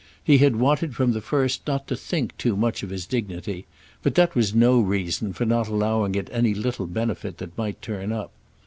He had wanted from the first not to think too much of his dignity, but that was no reason for not allowing it any little benefit that might turn up.